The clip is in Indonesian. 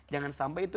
jangan sampai itu